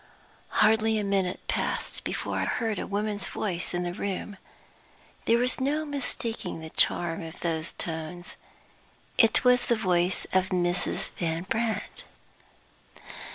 Hardly a minute passed before I heard a woman's voice in the room. There was no mistaking the charm of those tones. It was the voice of Mrs. Van Brandt.